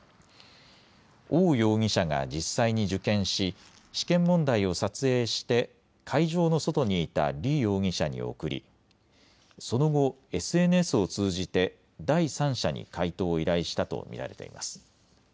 王容疑者が実際に受験し試験問題を撮影して会場の外にいた李容疑者に送りその後、ＳＮＳを通じて第三者に解答を依頼したと見られています。